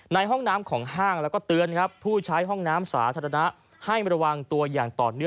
ในห้องน้ำของห้างแล้วก็เตือนครับผู้ใช้ห้องน้ำสาธารณะให้ระวังตัวอย่างต่อเนื่อง